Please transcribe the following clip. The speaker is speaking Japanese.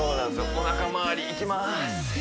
おなか回りいきます